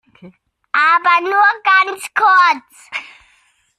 Aber nur ganz kurz!